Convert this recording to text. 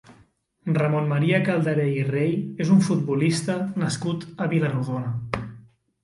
Ramon Maria Calderé i Rey és un futbolista nascut a Vila-rodona.